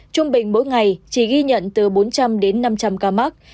trung bình mỗi ngày chỉ ghi nhận từ bốn trăm linh đến năm trăm linh ca mắc